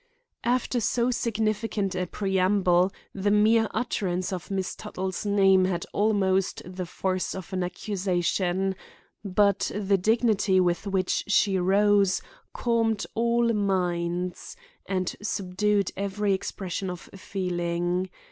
After so significant a preamble, the mere utterance of Miss Tuttle's name had almost the force of an accusation; but the dignity with which she rose calmed all minds, and subdued every expression of feeling.